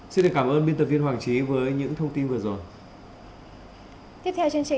xin cảm ơn biên tập viên hoàng trí